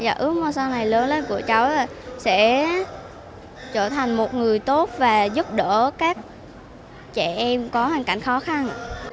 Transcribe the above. và ước mong sau này lớn của cháu sẽ trở thành một người tốt và giúp đỡ các trẻ em có hoàn cảnh khó khăn